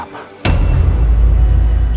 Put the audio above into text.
saya tidak sudi